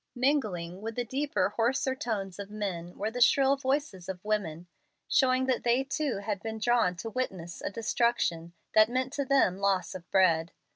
Mingling with the deeper, hoarser tones of men were the shrill voices of women, showing that they too had been drawn to witness a destruction that meant to them loss of bread.